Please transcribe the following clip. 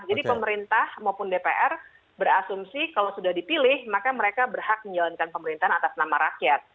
jadi pemerintah maupun dpr berasumsi kalau sudah dipilih maka mereka berhak menjalankan pemerintahan atas nama rakyat